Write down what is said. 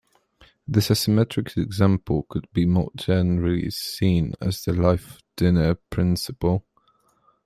This asymmetric example could be more generally seen as the life-dinner principle.